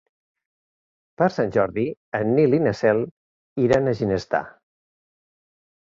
Per Sant Jordi en Nil i na Cel iran a Ginestar.